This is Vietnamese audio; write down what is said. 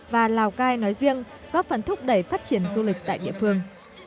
và lào cai nói riêng góp phần thúc đẩy phát triển du lịch tại địa phương